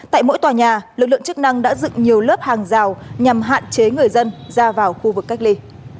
lực lượng chức năng đã dựng nhiều lớp hàng rào nhằm hạn chế người dân ra vào khu vực cách ly